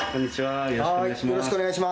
よろしくお願いします